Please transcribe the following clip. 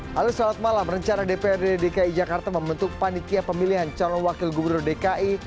halo selamat malam rencana dprd dki jakarta membentuk panitia pemilihan calon wakil gubernur dki